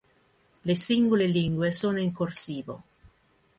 Le singole lingue sono in corsivo.